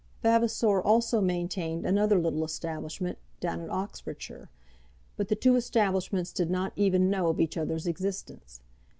Vavasor also maintained another little establishment, down in Oxfordshire; but the two establishments did not even know of each other's existence.